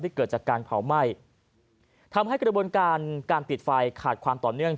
เกิดจากการเผาไหม้ทำให้กระบวนการการติดไฟขาดความต่อเนื่อง